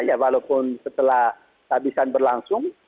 ya walaupun setelah habisan berlangsung